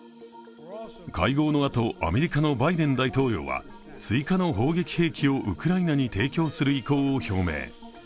会合の後、アメリカのバイデン大統領は追加の砲撃兵器をウクライナに提供する意向を表明。